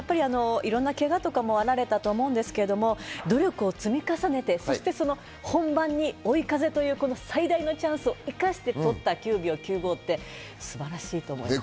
いろんなけがとかもあられたと思うんですけど、努力を積み重ねてそして本番に追い風という最大のチャンスを生かして取った９秒９５って素晴らしいと思います。